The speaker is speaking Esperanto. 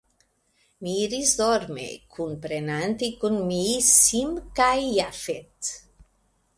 Mi iris dormi, kunprenante kun mi Sim kaj Jafet.